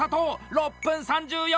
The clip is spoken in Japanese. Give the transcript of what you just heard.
６分３４秒！